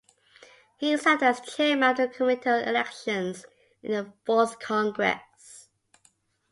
He served as chairman of the Committee on Elections in the fourth congress.